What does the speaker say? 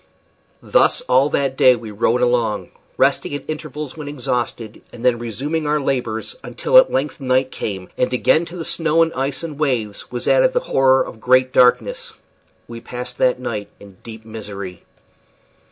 Thus all that day we rowed along, resting at intervals when exhausted, and then resuming our labors, until at length night came; and again to the snow and ice and waves was added the horror of great darkness. We passed that night in deep misery.